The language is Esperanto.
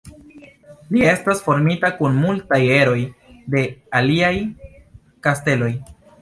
Li estas formita kun multaj eroj de aliaj kasteloj.